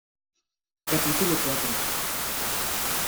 capítulo cuatro.